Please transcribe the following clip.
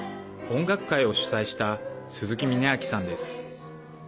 音楽会を主催した鈴木峰明さんです。